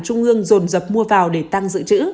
trung ương rồn dập mua vào để tăng dự trữ